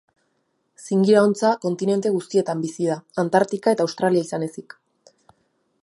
Zingira-hontza kontinente guztietan bizi da, Antartika eta Australia izan ezik.